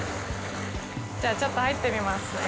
じゃあ、ちょっと入ってみますね。